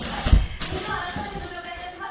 それでは改めてご紹介致します。